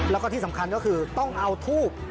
แล้วก็ที่สำคัญก็คือต้องเอาทูบ